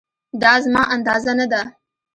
دا زما اندازه نه ده